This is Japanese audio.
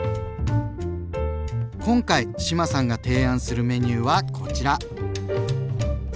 今回志麻さんが提案するメニューはこちら。